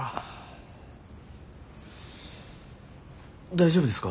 大丈夫ですか？